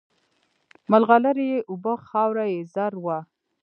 مرغلري یې اوبه خاوره یې زر وه